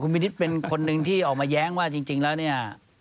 วินิตเป็นคนหนึ่งที่ออกมาแย้งว่าจริงแล้วเนี่ย